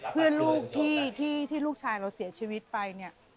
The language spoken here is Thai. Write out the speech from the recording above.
เพื่อนลูกที่ลูกชายเราเสียชีวิตไป